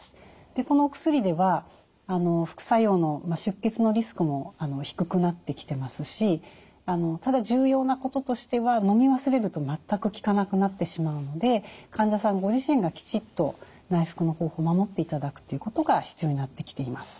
でこのお薬では副作用の出血のリスクも低くなってきてますしただ重要なこととしてはのみ忘れると全く効かなくなってしまうので患者さんご自身がきちっと内服の方法を守っていただくということが必要になってきています。